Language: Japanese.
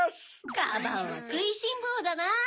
カバオはくいしんぼうだな。